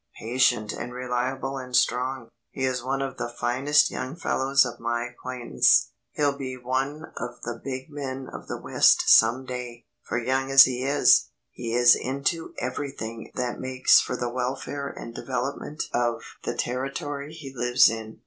Patient and reliable and strong, he is one of the finest young fellows of my acquaintance. He'll be one of the big men of the West some day, for young as he is, he is into everything that makes for the welfare and development of the territory he lives in."